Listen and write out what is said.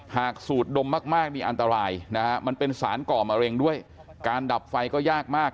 สูดดมมากนี่อันตรายนะฮะมันเป็นสารก่อมะเร็งด้วยการดับไฟก็ยากมาก